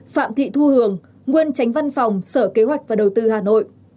sáu phạm thị thu hường nguyên tránh văn phòng sở kế hoạch và đầu tư hà nội